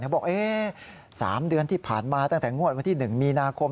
บอก๓เดือนที่ผ่านมาตั้งแต่งวดวันที่๑มีนาคม